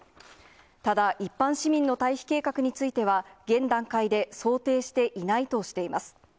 ただ、一般市民の退避計画については、現段階で想定していないとしています。